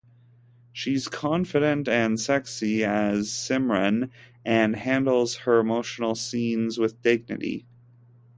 She's confident and sexy as Simran and handles her emotional scenes with dignity.